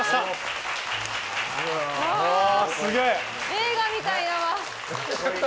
映画みたいだわ。